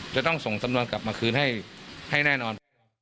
จะต้องส่งสำนวนกลับมาคืนให้แน่นอน